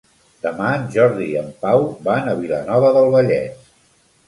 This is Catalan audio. Demà en Jordi i en Pau van a Vilanova del Vallès.